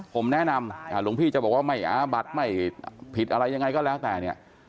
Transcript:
ผมแนะนำหลวงพี่จะบอกว่าไม่อาบัติไม่ผิดอะไรยังไงก็แล้วแต่เนี่ย